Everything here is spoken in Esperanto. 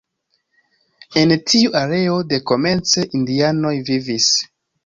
En tiu areo dekomence indianoj vivis.